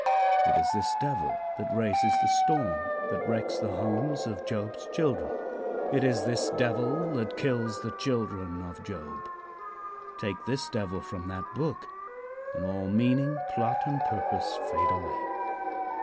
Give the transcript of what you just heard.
It is this Devil that raises the storm that wrecks the homes of Job's children. It is this Devil that kills the children of Job. Take this Devil from that book, and all meaning, plot and purpose fade away.